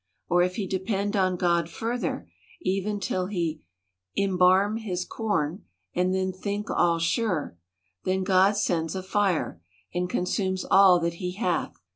Or if he depend on God further, even till he imbarn his com, and then think all sure ; then God sends a fire, and consumes all that he hath.